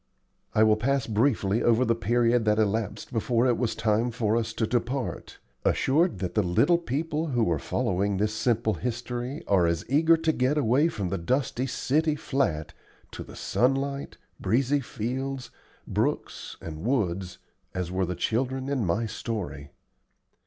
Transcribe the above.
I will pass briefly over the period that elapsed before it was time for us to depart, assured that the little people who are following this simple history are as eager to get away from the dusty city flat to the sunlight, breezy fields, brooks, and woods as were the children in my story.